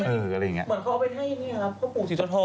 เหมือนเขาเอาไปให้เพราะปลูกสิทธโท